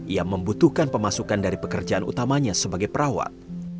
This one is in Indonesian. ia membutuhkan pemasukan dari pekerjaan utamanya sebagai perawat